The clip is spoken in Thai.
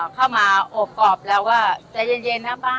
เข้ามาโอบกรอบแล้วว่าใจเย็นนะป้า